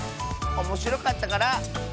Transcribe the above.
おもしろかったから。